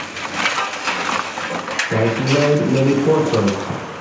He also made many portraits.